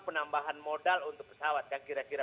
penambahan modal untuk pesawat kan kira kira